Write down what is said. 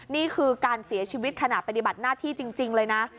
นี่คือการเสียชีวิตขณะปฏิบัติหน้าที่จริงเลยนะ